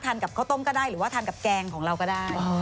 กับข้าวต้มก็ได้หรือว่าทานกับแกงของเราก็ได้